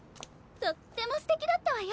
とってもすてきだったわよ！